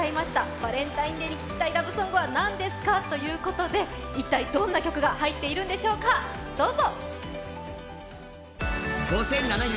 バレンタインデーに聴きたいラブソングは何ですかということで一体どんな曲が入っているんでしょうか、どうぞ。